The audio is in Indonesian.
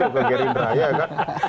ke gerindra ya kan